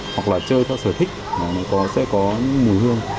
hoặc là chơi theo sở thích sẽ có mùi hương